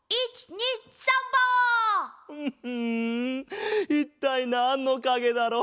んいったいなんのかげだろう？